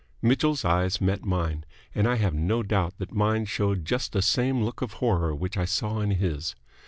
Mitchell's eyes met mine, and I have no doubt that mine showed just the same look of horror which I saw in his.